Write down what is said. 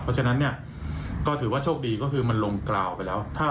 เพราะฉะนั้นเนี่ยก็ถือว่าโชคดีก็คือมันลงกล่าวไปแล้ว